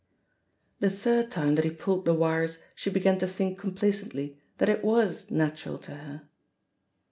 The third time that he pulled the wires she began to think complacently that it was natural to her.